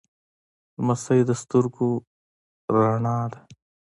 لمسی د سترګو رڼا ده.